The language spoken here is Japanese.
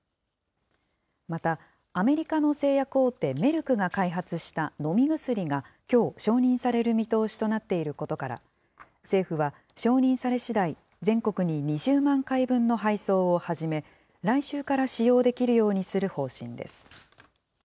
また、アメリカの製薬大手、メルクが開発した飲み薬が、きょう承認される見通しとなっていることから、政府は、承認されしだい、全国に２０万回分の配送を始め、来週から使用できるようにする方針です。